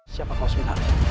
siapa kau sebenarnya